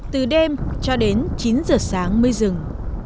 từ đêm cho đến chín giờ sáng mới dừng